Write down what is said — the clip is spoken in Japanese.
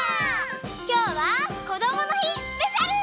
きょうはこどものひスペシャル！